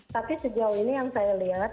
tapi sejauh ini yang saya lihat